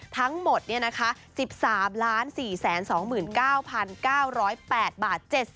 ทั้งหมด๑๓๔๒๙๙๐๘บาท๗๕สตางค์ค่ะ